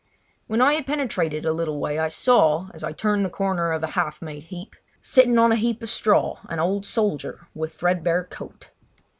When I had penetrated a little way I saw, as I turned the corner of a half made heap, sitting on a heap of straw an old soldier with threadbare coat.